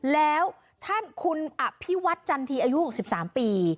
แล้วท่านคุณอภิวัฒน์จันทีอายุ๖๓ปี